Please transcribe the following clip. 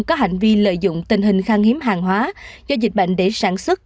có hành vi lợi dụng tình hình khang hiếm hàng hóa do dịch bệnh để sản xuất